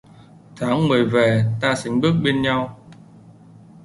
Tháng mười về ta sánh bước bên nhau